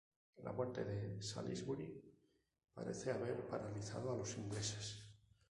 La muerte de Salisbury parece haber paralizado a los ingleses.